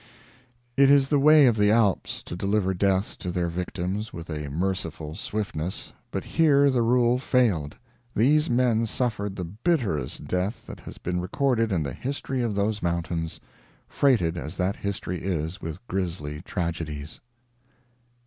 It is the way of the Alps to deliver death to their victims with a merciful swiftness, but here the rule failed. These men suffered the bitterest death that has been recorded in the history of those mountains, freighted as that history is with grisly tragedies.